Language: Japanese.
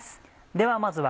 ではまずは。